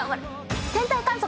天体観測。